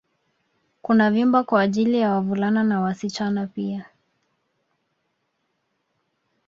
Kuna vyumba kwaajili ya wavulana na wasichana pia